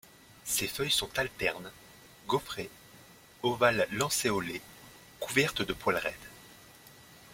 Ses feuilles sont alternes, gaufrées, ovales-lancéolées, couvertes de poils raides.